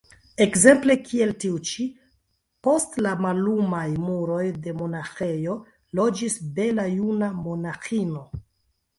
Ekzemple kiel tiu ĉi: post la mallumaj muroj de monaĥejo loĝis bela juna monaĥino.